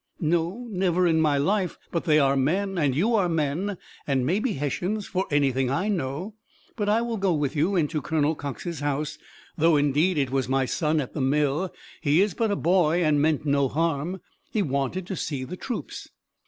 "No, never in my life; but they are men, and you are men, and may be Hessians, for anything I know. But I will go with you into Colonel Cox's house, though indeed it was my son at the mill; he is but a boy, and meant no harm; he wanted to see the troops."